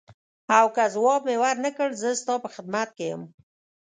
او که ځواب مې ورنه کړ زه ستا په خدمت کې یم.